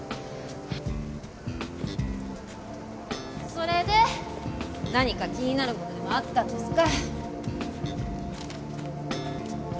それで何か気になるものでもあったんですか？